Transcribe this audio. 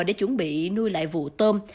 để chuẩn bị nuôi lại vụ tôm